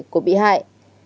của bị hại